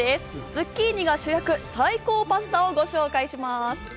ズッキーニが主役、最高パスタをご紹介します。